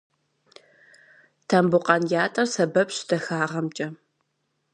Тамбукъан ятӏэр сэбэпщ дахагъэмкӏэ.